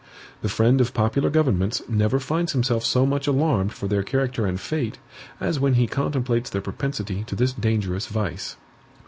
The friend of popular governments never finds himself so much alarmed for their character and fate, as when he contemplates their propensity to this dangerous vice.